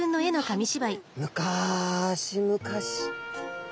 むかしむかし